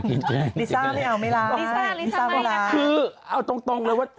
คือเอาตรงเลยว่า